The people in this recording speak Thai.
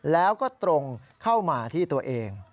แล้วก็ตรงเข้ามาที่ตัวเอง